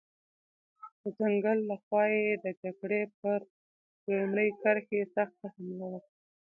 د ځنګل له خوا یې د جګړې پر لومړۍ کرښې سخته حمله وکړه.